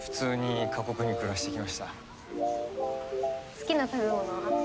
好きな食べ物は？